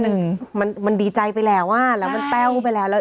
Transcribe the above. คือมันดีใจไปแล้วแล้วมันเป้าไปแล้ว